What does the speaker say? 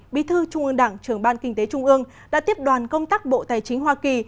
bí thư trung ương đảng trưởng ban kinh tế trung ương đã tiếp đoàn công tác bộ tài chính hoa kỳ